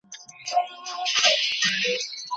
په اسلام کي د انسان ژوند ډیر ارزښت لري.